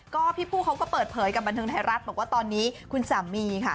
ก็พี่ผู้เขาก็เปิดเผยกับบันเทิงไทยรัฐบอกว่าตอนนี้คุณสามีค่ะ